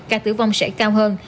ca tử vong sẽ cao hơn